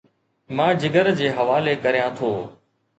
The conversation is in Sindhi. مان جگر جي حوالي ڪريان ٿو